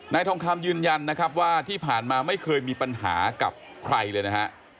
ทองคำยืนยันนะครับว่าที่ผ่านมาไม่เคยมีปัญหากับใครเลยนะฮะ